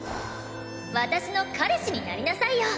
私の彼氏になりなさいよ！